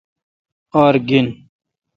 آر گین۔